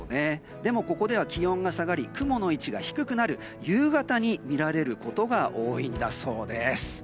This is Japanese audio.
でもここでは気温が下がり雲の位置が低くなる夕方に見られることが多いんだそうです。